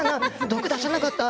毒出さなかった？